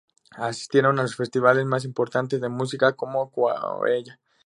Asistieron a los festivales más importantes de música como Coachella.